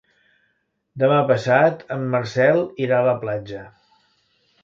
Demà passat en Marcel irà a la platja.